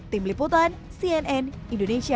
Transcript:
tim liputan cnn indonesia